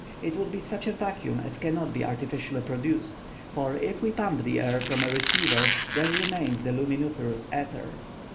It would be such a vacuum as cannot be artificially produced; for if we pump the air from a receiver there remains the luminiferous ether.